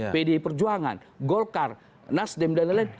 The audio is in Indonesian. pdi perjuangan golkar nasdem dan lain lain